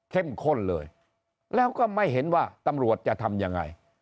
ข้นเลยแล้วก็ไม่เห็นว่าตำรวจจะทำยังไง